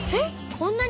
こんなに？